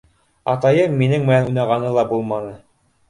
Атайым минең менән уйнағаны ла булманы.